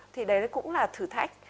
thì đấy cũng là thử thách